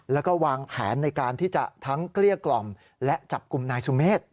แล้วก็วางแผนในการที่จะทั้งเกลี้ยกล่อมและจับกลุ่มนายสุเมฆ